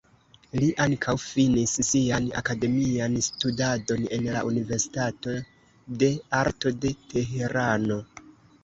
Li ankaŭ finis sian akademian studadon en la universitato de arto de Tehrano.